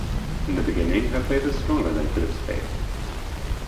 In the beginning, her faith is stronger than Philip's faith.